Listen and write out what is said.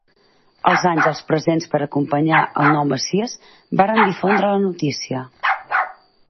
Els àngels presents per acompanyar al nou messies varen difondre la notícia.